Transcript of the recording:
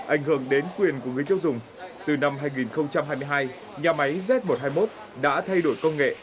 ảnh hưởng đến quyền của người tiêu dùng từ năm hai nghìn hai mươi hai nhà máy z một trăm hai mươi một đã thay đổi công nghệ